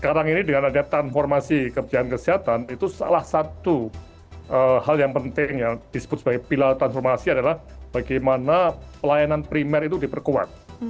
sekarang ini dengan ada transformasi kerjaan kesehatan itu salah satu hal yang penting yang disebut sebagai pilar transformasi adalah bagaimana pelayanan primer itu diperkuat